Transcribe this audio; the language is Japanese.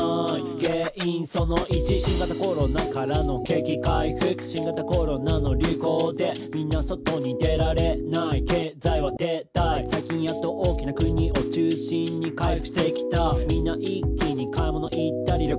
「原因その１新型コロナからの景気回復」「新型コロナの流行でみんな外に出られない」「経済は停滞」「最近やっと大きな国を中心に回復してきた」「みんな一気に買い物行ったり旅行したり」